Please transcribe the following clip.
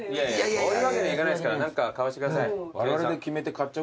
そういうわけにいかないですから何か買わせてください。